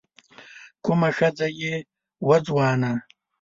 کومه ښځه يې وه ځوانه